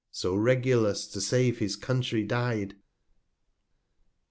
So Regulus to save his Country dy'd.